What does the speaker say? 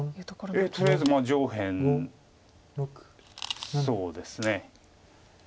とりあえず上辺そうですね。